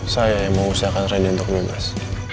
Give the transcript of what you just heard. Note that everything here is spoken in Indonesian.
saya yang mau usahakan brandi untuk menimbas